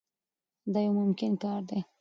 دا یو ممکن کار دی.